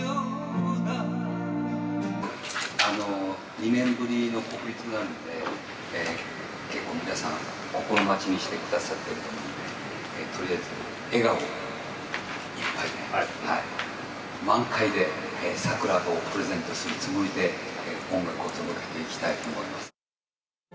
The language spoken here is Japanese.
２年ぶりの国立なんで、結構皆さん、心待ちにしてくださっていると思うんで、とりあえず笑顔いっぱいで、満開で桜をプレゼントするつもりで、音楽を届けていきたいと思います。